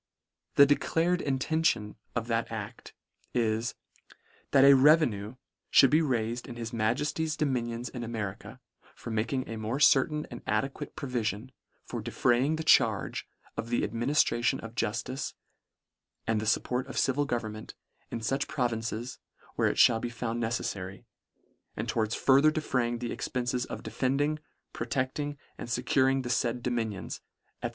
The de clared intention of that acf is, " that a reve LETTER IX. 97 nue fhould be raifed in his Majefty's domini ons in America, for making a more certain and adequate provifion for defraying the charge of the adminiftration of juftice, and the fupport of civil government, in fuch pro vinces where it (hall be found neceffary ; and towards further defraying the expences of defending, protecting, and fecuring the faid dominions," &c.